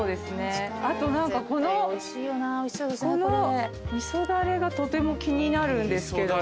あとこの味噌だれがとても気になるんですけど。